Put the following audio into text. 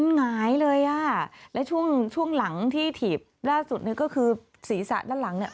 หงายเลยและช่วงหลังที่ถีบล่าสุดนี้ก็คือศรีศะด้านหลัง